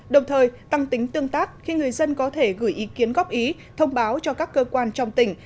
đồng thời tăng tính tương tác khi người dân có thể gửi ý kiến góp ý thông báo cho các cơ quan trong tỉnh